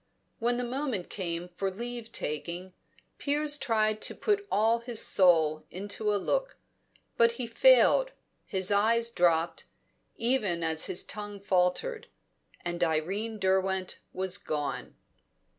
When the moment came for leave taking, Piers tried to put all his soul into a look; but he failed, his eyes dropped, even as his tongue faltered. And Irene Derwent was gone.